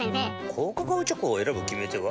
高カカオチョコを選ぶ決め手は？